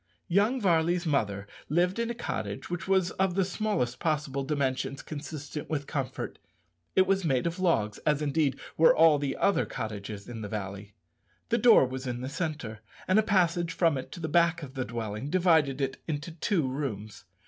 Young Varley's mother lived in a cottage which was of the smallest possible dimensions consistent with comfort. It was made of logs, as, indeed, were all the other cottages in the valley. The door was in the centre, and a passage from it to the back of the dwelling divided it into two rooms.